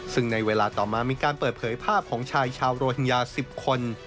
ซึ่งในเวลาต่อมามีการเปิดเผยภาพของชายชาวโรฮิงญา๑๐คน